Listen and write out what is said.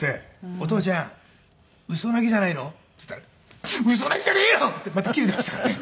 「お父ちゃんウソ泣きじゃないの？」って言ったら「ウソ泣きじゃねえよ！」ってまたキレていましたからね。